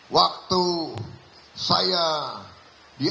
waktu saya berada di joko widodo